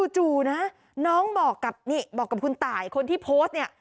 จู่นะน้องบอกกับคุณต่ายคนที่โพสต์เนี่ย